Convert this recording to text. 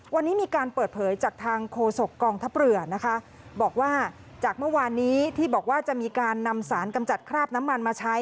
วันนี้มีการเปิดเผยจากทางโคศกกองทัพเรือนะคะบอกว่าจากเมื่อวานนี้ที่บอกว่าจะมีการนำสารกำจัดคราบน้ำมันมาใช้